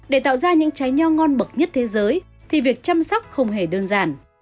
để tạo ra những trái nho ngon bậc nhất thế giới thì việc chăm sóc không hề đơn giản